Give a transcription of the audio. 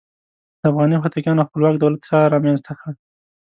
د افغاني هوتکیانو خپلواک دولت چا رامنځته کړ؟